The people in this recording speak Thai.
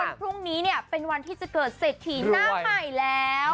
พรุ่งนี้เนี่ยเป็นวันที่จะเกิดเศรษฐีหน้าใหม่แล้ว